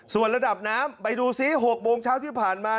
ส่วนระดับน้ำไปดูซิ๖โมงเช้าที่ผ่านมา